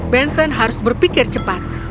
benson harus berpikir cepat